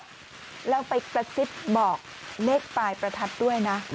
มาครบแล้วไปประสิทธิ์บอกเลขปลายประทัดด้วยนะ